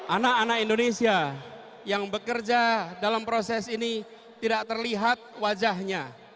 anak anak indonesia yang bekerja dalam proses ini tidak terlihat wajahnya